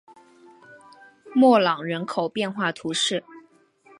莫朗人口变化图示